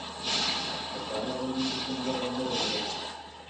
Eta hala gelditu zen gerra ondoren ere.